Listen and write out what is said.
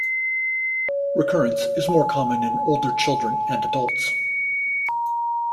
Recurrence is more common in older children and adults.